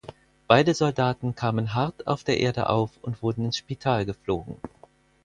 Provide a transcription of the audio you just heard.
Beide Soldaten kamen hart auf der Erde auf und wurden ins Spital geflogen.